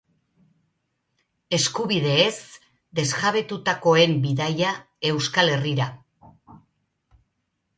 Eskubideez desjabetutakoen bidaia Euskal Herrira.